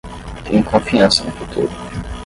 Tenho confiança no futuro